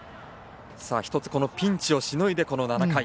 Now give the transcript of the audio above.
１つこのピンチをしのいでの７回。